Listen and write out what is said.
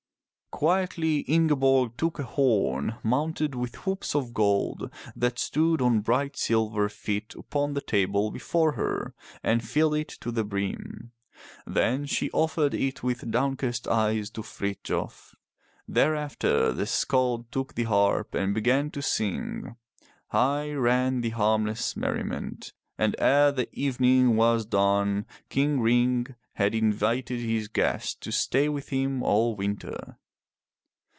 Quietly Ingeborg took a horn mounted with hoops of gold that stood on bright silver feet upon the table before her, and filled it to the brim. Then she offered it with downcast eyes to Frithjof. Thereafter the skald took the harp and began to sing. High ran the harmless merriment. And ere the evening was done King Ring had invited his guest to stay with him all winter.